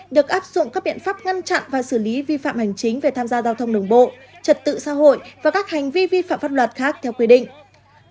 được áp dụng các biện pháp ngăn chặn và xử lý vi phạm hành chính về tham gia giao thông đường bộ trật tự xã hội và các hành vi vi phạm pháp luật khác theo quy định